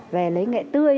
về lấy nghệ tươi